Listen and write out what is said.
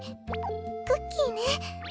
クッキーね。